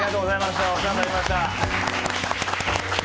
お世話になりました。